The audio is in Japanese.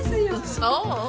そう？